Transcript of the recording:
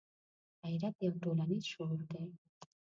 غیرت یو ټولنیز شعور دی